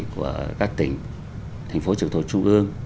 của các tỉnh thành phố trường thống trung ương